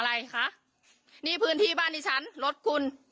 แล้วก็ใส่กรรม